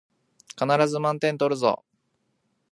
必ず満点取るぞ